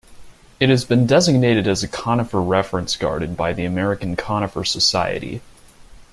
It has been designated as a Conifer Reference Garden by the American Conifer Society.